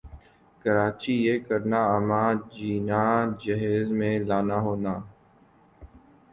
کراچی یِہ کرنا اماں جینا جہیز میں لانا ہونا